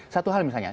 satu hal misalnya